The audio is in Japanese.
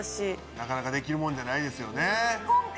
なかなかできるもんじゃない。